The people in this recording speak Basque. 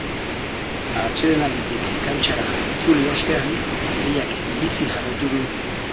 Atsedenalditik kantxara itzuli ostean, lehiak bizi jarraitu du.